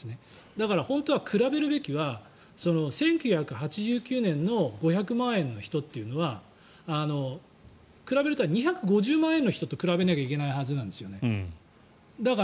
だから本当は比べるべきは１９８９年の５００万円の人というのは比べるのは２５０万円の人と比べなきゃいけないはずなんです。